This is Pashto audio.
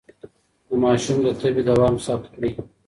د ماشوم د تبه دوام ثبت کړئ.